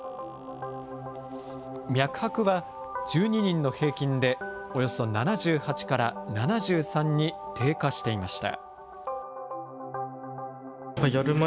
脈拍は１２人の平均でおよそ７８から７３に低下していました。